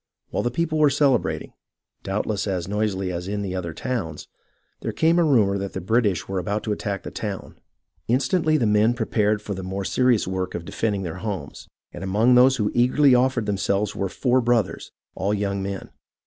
While the people were celebrating, doubtless as noisily as in other towns, there came a rumour that the British were about to attack the town. Instantly the men prepared for the more serious work of defending their homes, and among those who eagerly offered them selves were four brothers, all young men.